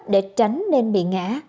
cô gái trẻ tránh nên bị ngã